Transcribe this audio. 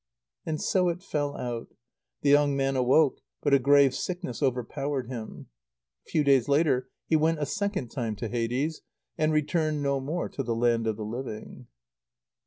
And so it fell out. The young man awoke; but a grave sickness overpowered him. A few days later he went a second time to Hades, and returned no more to the land of the living.